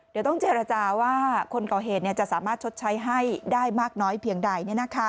เดี๋ยวต้องเจรจาว่าคนก่อเหตุจะสามารถชดใช้ให้ได้มากน้อยเพียงใด